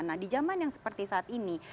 nah di zaman yang seperti saat ini